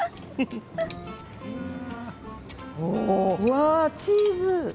うわあ、チーズ！